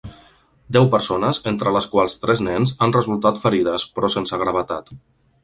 Deu persones, entre les quals tres nens, han resultat ferides, però sense gravetat.